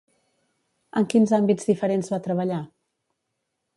En quins àmbits diferents va treballar?